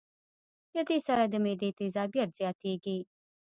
د دې سره د معدې تېزابيت زياتيږي